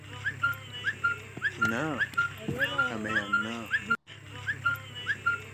نا، ئەمەیان نا!